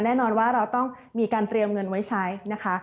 แน่นอนว่าเราต้องมีการเตรียมเงินไว้ใช้นะคะ